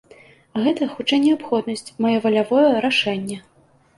Гэта, хутчэй, неабходнасць, маё валявое рашэнне.